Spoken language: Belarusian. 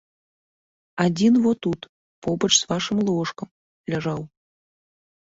Адзін во тут, побач з вашым ложкам, ляжаў.